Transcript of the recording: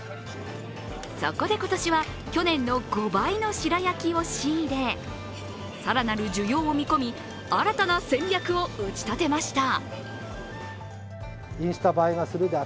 そこで今年は去年の５倍の白焼きを仕入れ更なる需要を見込み新たな戦略を打ち立てました。